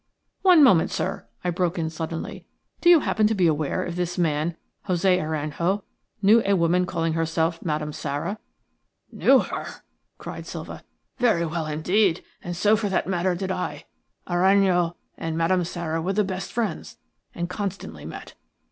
"One moment, sir," I broke in, suddenly. "Do you happen to be aware if this man, José Aranjo, knew a woman calling herself Madame Sara?" "I HAD LOST TO HIM NEARLY £200,000." "Knew her?" cried Silva. "Very well indeed, and so, for that matter, did I. Aranjo and Madame Sara were the best friends, and constantly met.